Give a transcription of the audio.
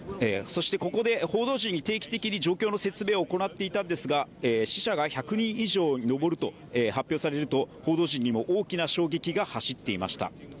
そしてここで報道陣に定期的に状況の提供を行っていたんですが、死者が１００人以上に上ると発表されると報道陣にも大きな衝撃が走っていました。